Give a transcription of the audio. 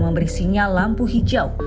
memberi sinyal lampu hijau